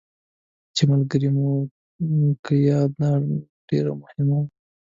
چې ملګري مو وو که یا، دا ډېره مهمه وه.